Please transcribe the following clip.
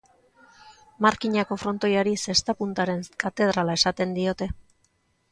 Markinako frontoiari, zesta-puntaren katedrala esaten diote.